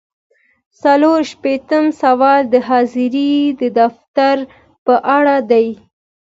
څلور شپیتم سوال د حاضرۍ د دفتر په اړه دی.